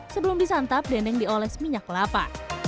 sebelum disantap dendeng dioles minyak kelapa